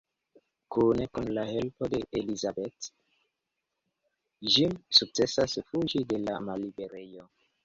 Kune kun la helpo de Elisabeth, Jim sukcesas fuĝi de la malliberejo.